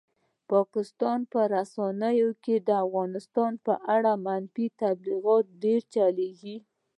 پاکستان په رسنیو کې د افغانستان په اړه منفي تبلیغات ډېر چلېږي.